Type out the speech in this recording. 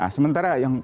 nah sementara yang